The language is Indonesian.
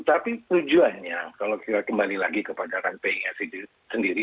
tapi tujuannya kalau kita kembali lagi ke padatan pis sendiri